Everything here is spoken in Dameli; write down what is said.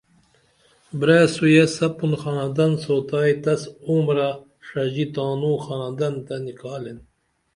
بریسو یے سپُن خاندن سوتائی تس عمرہ ڜژی تانو خاندن تہ نِکھالین